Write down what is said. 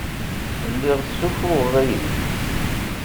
Lliɣ ssuffuɣeɣ aydi.